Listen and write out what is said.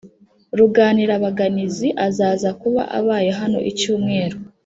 ruganirabaganizi azaza kuba abaye hano icyumweru